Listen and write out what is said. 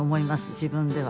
自分では。